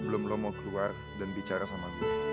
beta coba kulihkan madah pria pria saya